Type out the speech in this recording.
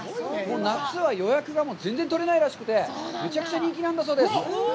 夏は予約が全然取れないらしくて、むちゃくちゃ人気なんだそうです。